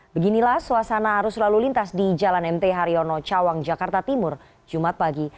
beginilah suasana arus lalu lintas di jalan mt haryono cawang jakarta timur jumat pagi